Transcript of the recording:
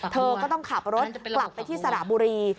เธอก็ต้องขับรถกลับไปที่สระบุรี